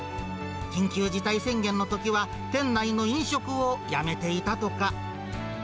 緊急事態宣言のときは、店内の飲食をやめていたとか。